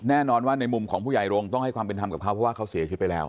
แน่นอนว่าในมุมของผู้ใหญ่โรงต้องให้ความเป็นธรรมกับเขาเพราะว่าเขาเสียชีวิตไปแล้ว